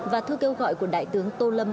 và thư kêu gọi của đại tướng tô lâm